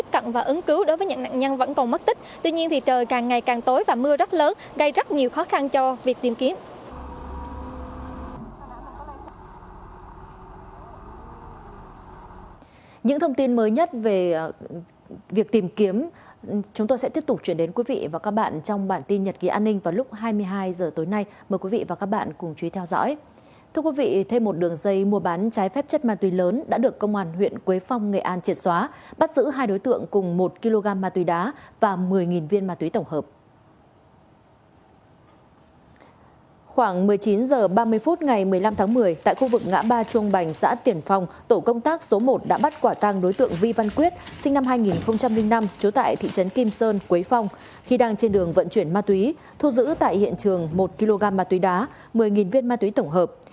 một mươi phút ngày một mươi năm tháng một mươi tại khu vực ngã ba trung bành xã tiền phong tổ công tác số một đã bắt quả tăng đối tượng vi văn quyết sinh năm hai nghìn năm chố tại thị trấn kim sơn quế phong khi đang trên đường vận chuyển ma túy thu giữ tại hiện trường một kg ma túy đá một mươi viên ma túy tổng hợp